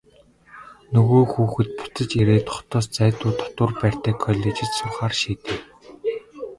Нөгөө хүүхэд буцаж ирээд хотоос зайдуу дотуур байртай коллежид сурахаар шийдэв.